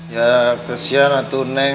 ya kasihan atuh neng